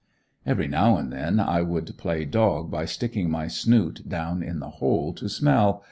Every now and then I would play dog by sticking my snoot down in the hole to smell.